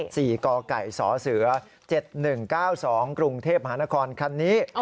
สี่ก่อก่ายสอเสือ๗๑๙๒กรุงเทพฯมหานครคันนี้